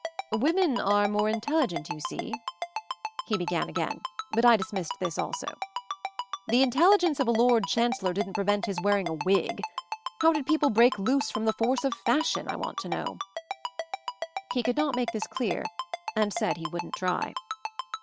"Women are more intelligent, you see," he began again; but I dismissed this also. The intelligence of a Lord Chancellor «i MOVING THE MOUNTAIN 237 didn't prevent his wearing a wig I How did people break loose from the force of fashion, I want to know?" He could not make this clear, and said he wouldn't try.